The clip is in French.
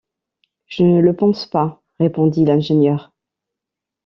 Je ne le pense pas, répondit l’ingénieur